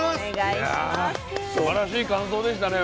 いやすばらしい感想でしたね。